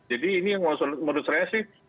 jadi ini yang menurut saya sih